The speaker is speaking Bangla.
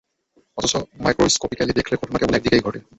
অথচ ম্যাক্রোস্কপিক্যালি দেখলে ঘটনা কেবল একদিকেই ঘটে।